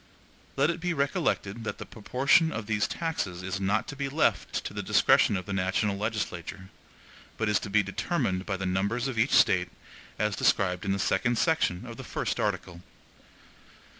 Let it be recollected that the proportion of these taxes is not to be left to the discretion of the national legislature, but is to be determined by the numbers of each State, as described in the second section of the first article.